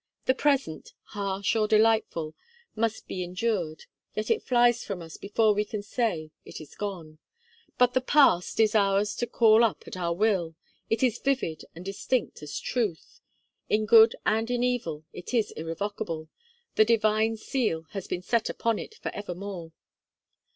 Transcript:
The Present, harsh or delightful, must be endured, yet it flies from us before we can say "it is gone." But the Past is ours to call up at our will. It is vivid and distinct as truth. In good and in evil, it is irrevocable; the divine seal has been set upon it for evermore.